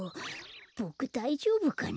ボクだいじょうぶかな？